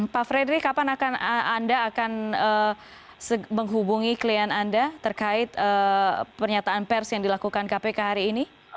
pak fredri kapan anda akan menghubungi klien anda terkait pernyataan pers yang dilakukan kpk hari ini